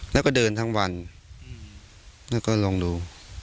แล้วก็เดินทั้งวันแล้วก็ลองดู